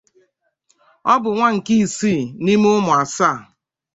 Ọ bụ nwa nke isii n’ime ụmụ asaa.